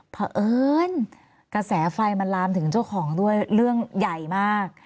เพราะเอิญกระแสไฟมันลามถึงเจ้าของด้วยเรื่องใหญ่มาก